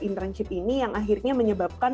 internship ini yang akhirnya menyebabkan